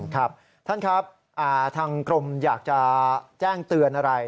ครับท่านครับทางกรมอยากจะแจ้งเตือนอะไร